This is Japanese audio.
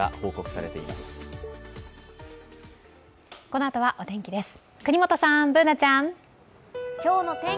このあとはお天気です。